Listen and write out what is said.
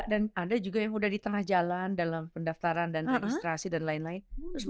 dan ada juga yang sudah di tengah jalan dalam pendaftaran dan registrasi dan lain lain